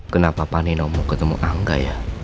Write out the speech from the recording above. kenapa pak nieno mau ketemu angga ya